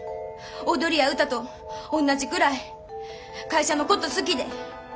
踊りや歌とおんなじくらい会社のこと好きで。